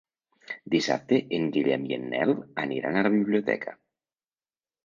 Dissabte en Guillem i en Nel aniran a la biblioteca.